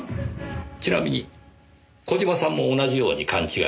ちなみに小島さんも同じように勘違いされていました。